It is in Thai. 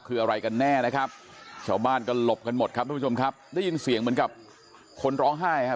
คืออะไรกันแน่นะครับชาวบ้านก็หลบกันหมดครับทุกผู้ชมครับได้ยินเสียงเหมือนกับคนร้องไห้ครับ